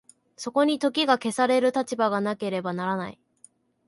そこに時が消される立場がなければならない。